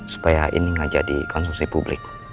supaya ini gak jadi konsumsi publik